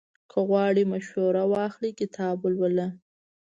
که غواړې مشوره واخلې، کتاب ولوله.